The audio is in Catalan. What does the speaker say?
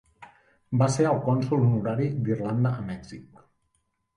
Va ser el cònsol honorari d'Irlanda a Mèxic.